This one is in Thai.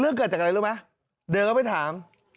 เลือดเกิดจากอะไรรู้ไหมเดินแล้วไปถาม